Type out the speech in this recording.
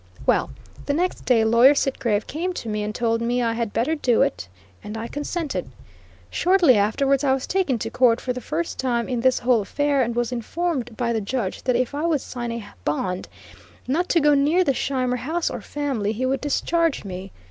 Well, the next day Lawyer Sitgreave came to me and told me I had better do it, and I consented. Shortly afterwards, I was taken to court, for the first time in this whole affair, and was informed by the judge that if I would sign a bond not to go near the Scheimer house or family he would discharge me.